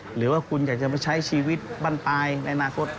หรือว่าคุณอยากจะมาใช้ชีวิตบ้านปลายในอนาคต